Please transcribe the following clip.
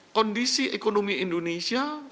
kondisi ekonomi indonesia